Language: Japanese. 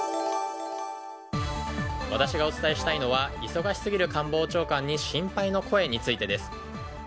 私がお伝えしたいのは忙しすぎる官房長官に心配の声についてです。